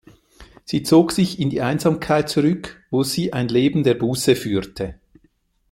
Sie zog sich in die Einsamkeit zurück, wo sie ein Leben der Buße führte.